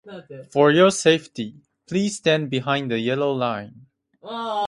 For your safety, please stand behind the yellow line.